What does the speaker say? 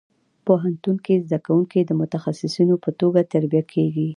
پوهنتون کې زده کوونکي د متخصصینو په توګه تربیه کېږي.